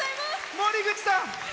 森口さん！